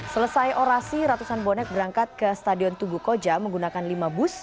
selesai orasi ratusan bonek berangkat ke stadion tugu koja menggunakan lima bus